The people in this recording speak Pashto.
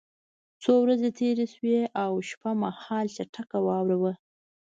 څو ورځې تېرې شوې او شپه مهال چټکه واوره وه